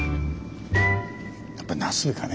やっぱり茄子かね。